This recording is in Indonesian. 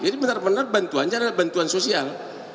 jadi benar benar bantuan sosial